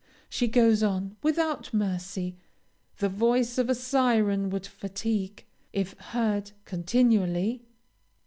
She goes on, without mercy; the voice of a syren would fatigue, if heard continually.